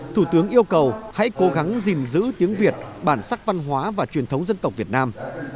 thủ tướng yêu cầu hãy cố gắng gìn giữ tiếng việt bản sắc văn hóa và truyền thống dân tộc việt nam